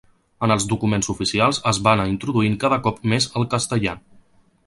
En els documents oficials es va anar introduint cada cop més el castellà.